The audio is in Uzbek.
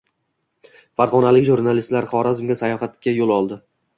Farg‘onalik jurnalistlar Xorazmga sayohatga yo‘l oldi